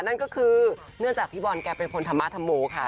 นั่นก็คือเนื่องจากพี่บอลแกเป็นคนธรรมธรโมค่ะ